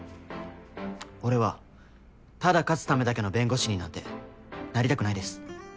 俺はただ勝つためだけの弁護士になんてなりたくないです。